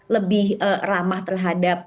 lebih ramah terhadap